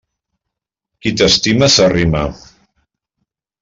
Qui t'estima s'arrima.